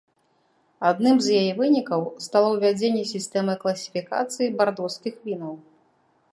Адным з яе вынікаў стала ўвядзенне сістэмы класіфікацыі бардоскіх вінаў.